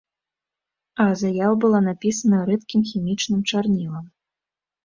А заява была напісана рэдкім хімічным чарнілам.